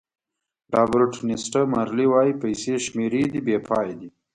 رابرټ نیسټه مارلې وایي پیسې شمېرې دي بې پایه دي.